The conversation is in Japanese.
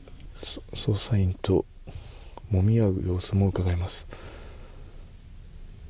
捜査員ともみ合う様子もうかがえます。